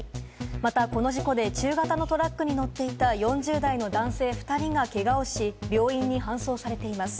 またこの事故で中型のトラックに乗っていた４０代の男性２人がけがをし、病院に搬送されています。